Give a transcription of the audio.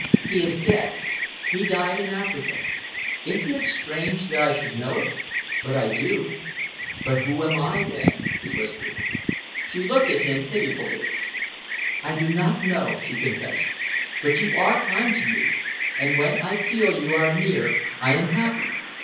He is dead. He died in Africa. Isn't it strange that I should know it? But I do!" "But who am I then?" he whispered. She looked at him pitifully. "I do not know," she confessed, "but you are kind to me, and when I feel you are near I am happy.